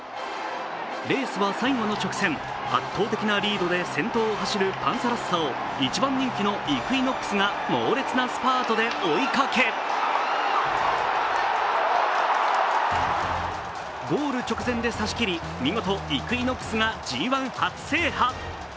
レースは最後の直線、圧倒的なリードで先頭を走るパンサラッサを１番人気のイクイノックスが猛烈なスパートで追いかけゴール直前で差し切り、見事イクイノックスがＧⅠ初制覇。